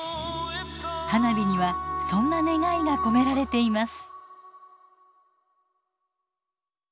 花火にはそんな願いが込められています。